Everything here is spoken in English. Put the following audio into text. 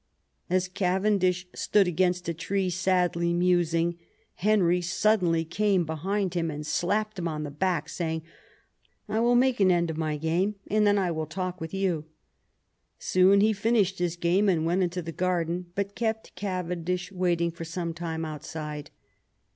As Cavendish stood against a tree sadly musing Henry suddenly came behind him and slapped him on the back, saying, " I will make an end of my game, and then I will talk with you." Soon he finished his game and went into the garden, but kept Cavendish waiting for some time outside.